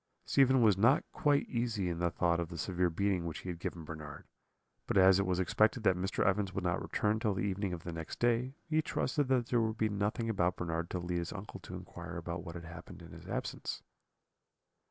Stephen was not quite easy in the thought of the severe beating which he had given Bernard; but as it was expected that Mr. Evans would not return till the evening of the next day, he trusted that there would be nothing about Bernard to lead his uncle to inquire about what had happened in his absence.